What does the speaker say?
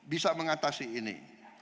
bisa mengatasi ini